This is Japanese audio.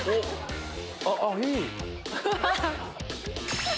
あっいい！